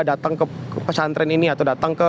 datang ke pesantren ini atau datang ke